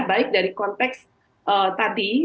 baik dari konteks tadi